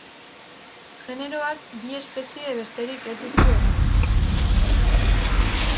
Generoak bi espezie besterik ez ditu egun.